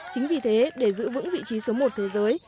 chính vì thế để giữ vững vị trí số một thế giới